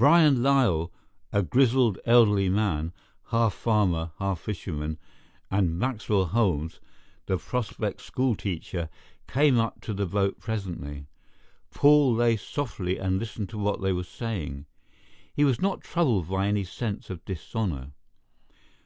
Byron Lyall, a grizzled, elderly man, half farmer, half fisherman, and Maxwell Holmes, the Prospect schoolteacher, came up to the boat presently. Paul lay softly and listened to what they were saying. He was not troubled by any sense of dishonour.